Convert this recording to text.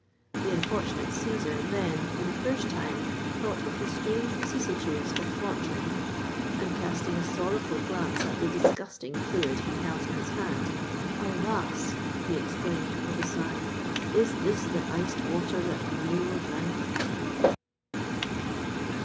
The unfortunate Cæsar then, for the first time, thought of the strange vicissitudes of fortune, and casting a sorrowful glance at the disgusting fluid he held in his hand, "Alas!" he exclaimed, with a sigh, "is this the iced water that Nero drank?"